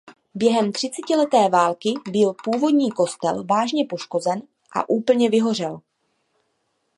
Během třicetileté války byl původní kostel vážně poškozen a úplně vyhořel.